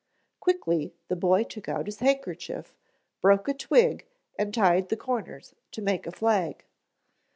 Quickly the boy took out his handkerchief, broke a twig and tied the corners to make a flag.